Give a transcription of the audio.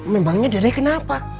memangnya dede kenapa